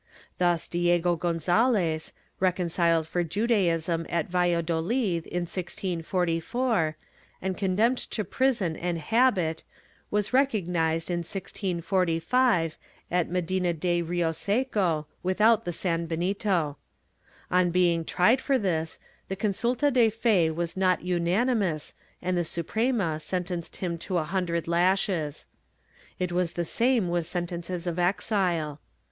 Thus Diego Gonzalez, reconciled for Judaism at ValladoUd, in 1644, and con demned to prison and habit, was recognized in 1645, at Medina de Rioseco, without the sanbenito. On being tried for this, the consulta de fe was not unanimous and the Suprema sentenced him to a hundred lashes.^ It was the same with sentences of exile.